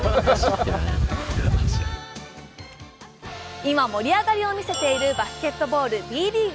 今盛り上がりを見せているバスケットボールＢリーグ。